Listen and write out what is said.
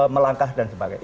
melangkah dan sebagainya